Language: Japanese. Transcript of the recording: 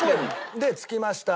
で着きました。